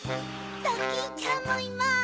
ドキンちゃんもいます！